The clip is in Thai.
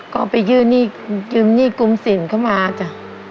ก็ไปยืมหนี้กุ้มสินเขามาจ้ะ